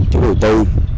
chủ đầu tư